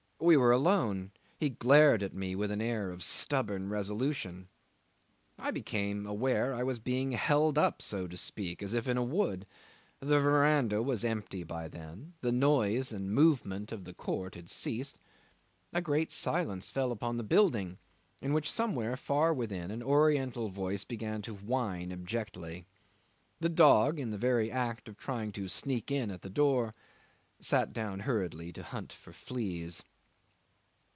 We were alone; he glared at me with an air of stubborn resolution. I became aware I was being held up, so to speak, as if in a wood. The verandah was empty by then, the noise and movement in court had ceased: a great silence fell upon the building, in which, somewhere far within, an oriental voice began to whine abjectly. The dog, in the very act of trying to sneak in at the door, sat down hurriedly to hunt for fleas.